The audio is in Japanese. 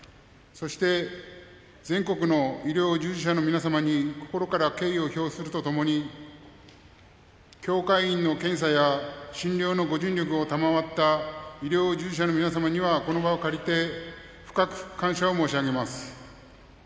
そして全国の医療従事者の皆様に心から敬意を表するとともに協会員の検査や診療のご尽力を賜った医療従事者の皆様にはこの場を借りて深く感謝申し上げます。